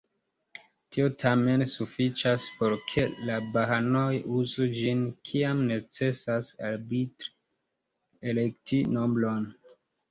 Tio tamen sufiĉas por ke la bahaanoj uzu ĝin, kiam necesas arbitre elekti nombron.